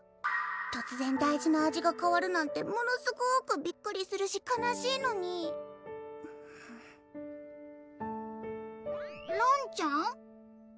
突然大事な味がかわるなんてものすごくびっくりするし悲しいのにらんちゃん？